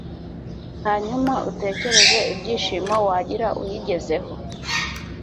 hanyuma utekereze ibyishimo wagira uyigezeho